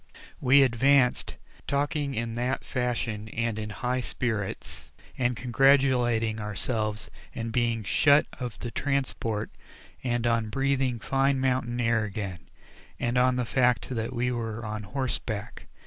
We advanced, talking in that fashion and in high spirits, and congratulating ourselves in being shut of the transport and on breathing fine mountain air again, and on the fact that we were on horseback.